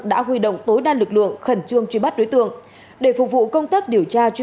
đã huy động tối đa lực lượng khẩn trương truy bắt đối tượng để phục vụ công tác điều tra truy